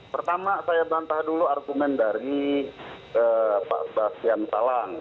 pertama saya bantah dulu argumen dari pak bastian salang